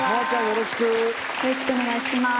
よろしくお願いします。